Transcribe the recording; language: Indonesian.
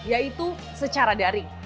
yaitu secara daring